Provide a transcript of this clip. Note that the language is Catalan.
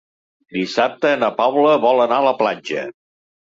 Dissabte na Paula vol anar a la platja.